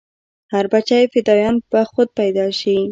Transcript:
هو بچى فدايان به خود پيدا شي.